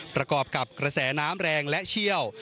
ประกอบกับกระแสน้ำแรงและเชี่ยว